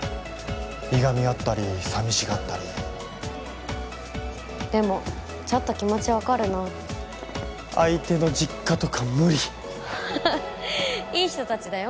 いがみ合ったり寂しがったりでもちょっと気持ちわかるな相手の実家とか無理いい人たちだよ